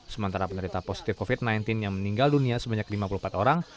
sementara penderita positif covid sembilan belas yang meninggal dunia sebanyak lima puluh empat orang